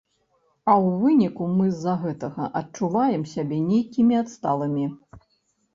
А ў выніку мы з-за гэтага адчуваем сябе нейкімі адсталымі.